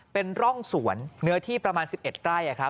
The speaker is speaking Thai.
เป็นร่องสวนเนื้อที่ประมาณ๑๑ไร่